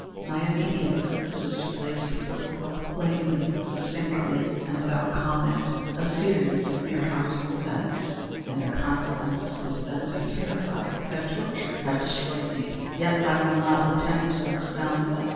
My immediate purpose is to place before the world, plainly, succinctly, and without comment, a series of mere household events. In their consequences, these events have terrified—have tortured—have destroyed me. Yet I will not attempt to expound them.